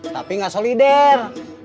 tapi gak solider